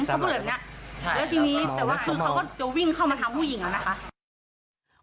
ขึ้นทีนี้เขาก็จะวิ่งเข้ามาถามผู้หญิงเหลือแบบนี้